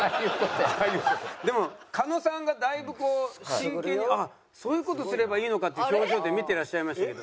でも狩野さんがだいぶこう真剣に「あっそういう事すればいいのか」っていう表情で見てらっしゃいましたけど。